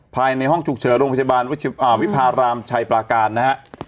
ภายในห้องฉุกเฉินโรงพยาบาลวิพารามชัยปลาการนะฮะ